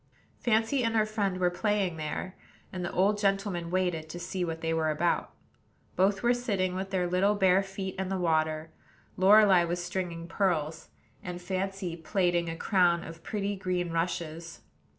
Fancy and her friend were playing there, and the old gentleman waited to see what they were about. Both were sitting with their little bare feet in the water; Lorelei was stringing pearls, and Fancy plaiting a crown of pretty green rushes.